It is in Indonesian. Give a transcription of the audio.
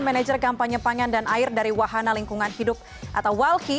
manager kampanye pangan dan air dari wahana lingkungan hidup atau walki